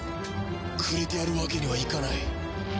くれてやるわけにはいかない